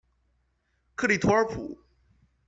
克利图尔普。